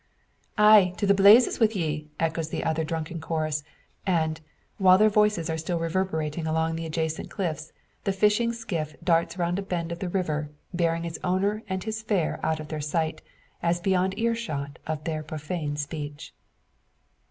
"Ay, to the blazes wi' ye!" echo the others in drunken chorus; and, while their voices are still reverberating along the adjacent cliffs, the fishing skiff drifts round a bend of the river, bearing its owner and his fare out of their sight, as beyond earshot of their profane speech.